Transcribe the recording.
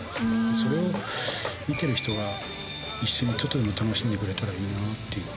それを見てる人が一緒にちょっとでも楽しんでくれたらいいなっていう。